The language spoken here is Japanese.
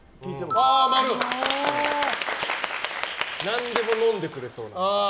何でものんでくれそう。